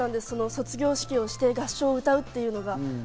卒業式をして合唱を歌うっていうのが。